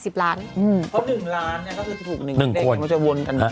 เพราะ๑ล้านก็คือถูก๑เลขมันจะวนกัน